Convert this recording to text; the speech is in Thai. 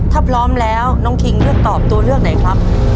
ถ้าพร้อมแล้วน้องคิงเลือกตอบตัวเลือกไหนครับ